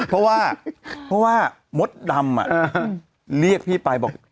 เพราะว่ามดดำอ่ะเรียกพี่ไปบอก